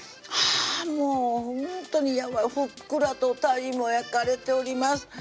はぁもうほんとにふっくらとたいも焼かれております